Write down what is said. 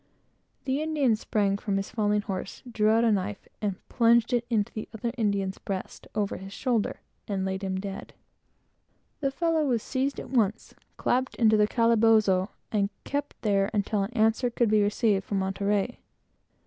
The Indian sprang from his falling horse, drew out the knife, and plunged it into the other Indian's breast, over his shoulder, and laid him dead. The poor fellow was seized at once, clapped into the calabozo, and kept there until an answer could be received from Monterey.